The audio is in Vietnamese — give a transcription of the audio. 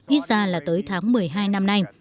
ít ra là tới tháng một mươi hai năm nay